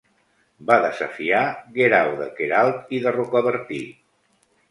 Va desafiar Guerau de Queralt i de Rocabertí.